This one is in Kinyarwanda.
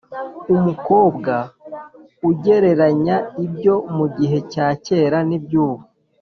umukobwa ugereranya ibyo mu gihe cya kera n’iby’ubu